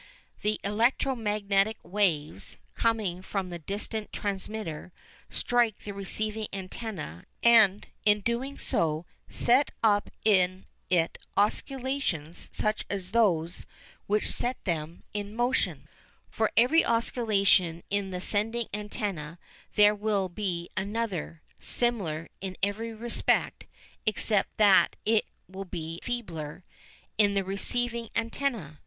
The electro magnetic waves, coming from the distant transmitter, strike the receiving antenna and in so doing set up in it oscillations such as those which set them in motion. For every oscillation in the sending antenna there will be another, similar in every respect except that it will be feebler, in the receiving antenna.